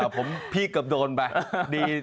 ผมพี่เกือบโดนไปดี